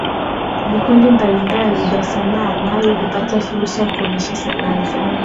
Vikundi mbalimbali vya Sanaa navyo hupata fursa ya kuonesha sanaa zao